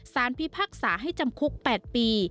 พิพากษาให้จำคุก๘ปี